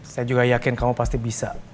saya juga yakin kamu pasti bisa